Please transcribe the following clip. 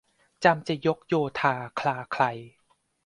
จำจะยกโยธาคลาไคล